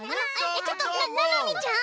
えっちょっとななみちゃん！